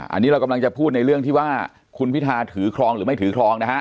อันนี้เรากำลังจะพูดในเรื่องที่ว่าคุณพิทาถือครองหรือไม่ถือครองนะฮะ